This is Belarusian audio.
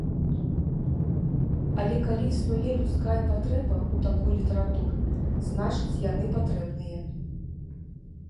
Але калі існуе людская патрэба ў такой літаратуры, значыць, яны патрэбныя.